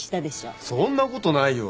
そんなことないよ。